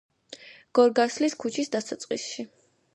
გორგასლის ქუჩის დასაწყისში.